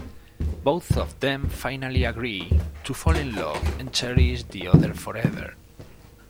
Both of them finally agree to fall in love and cherish the other forever.